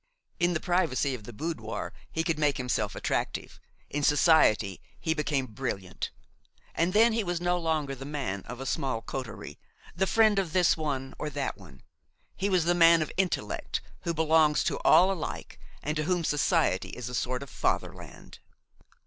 In the privacy of the boudoir he could make himself attractive, in society he became brilliant; and then he was no longer the man of a small coterie, the friend of this one or that one; he was the man of intellect who belongs to all alike, and to whom society is a sort of fatherland.